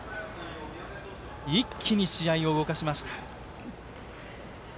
一気に試合を動かしました。